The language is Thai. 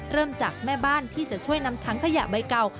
เริ่มจากแม่บ้านที่จะช่วยนำถังขยะใบเก่า